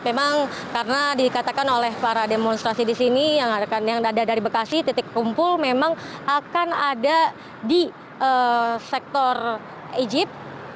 memang karena dikatakan oleh para demonstrasi di sini yang ada dari bekasi titik kumpul memang akan ada di sektor ejip